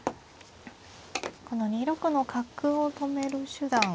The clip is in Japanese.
この２六の角を止める手段。